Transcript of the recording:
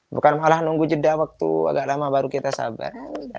bukan malah nunggu jeda waktu agak lama baru kita sabar